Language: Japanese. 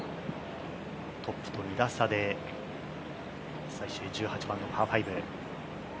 トップと２打差で最終１８番のパー５。